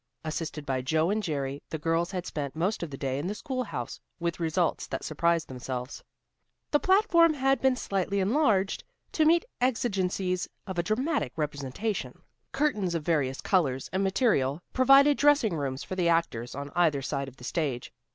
Assisted by Joe and Jerry, the girls had spent most of the day in the schoolhouse, with results that surprised themselves. The platform had been slightly enlarged, to meet the exigencies of a dramatic representation. Curtains of various colors and material provided dressing rooms for the actors, on either side of the stage.